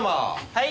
はい？